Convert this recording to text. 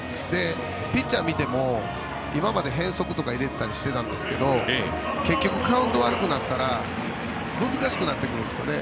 ピッチャーを見ても今まで変則とか入れてたりしたんですけど結局カウントが悪くなると難しくなるんですね。